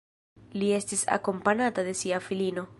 Li estas akompanata de sia filino.